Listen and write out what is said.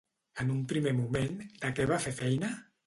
En un primer moment, de què va fer feina?